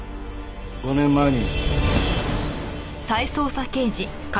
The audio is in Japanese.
５年前に。